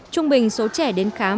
trung bình số trẻ đến khám